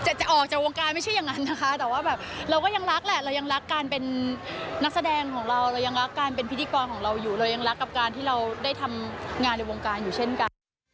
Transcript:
จะออกจากวงการไม่ใช่อย่างนั้นนะคะแต่ว่าแบบเราก็ยังรักแหละเรายังรักการเป็นนักแสดงของเราเรายังรักการเป็นพิธีกรของเราอยู่เรายังรักกับการที่เราได้ทำงานในวงการอยู่เช่นกัน